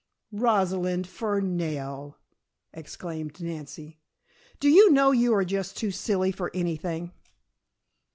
"Rosalind Fernell!" exclaimed Nancy. "Do you know you are just too silly for anything?"